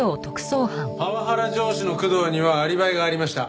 パワハラ上司の工藤にはアリバイがありました。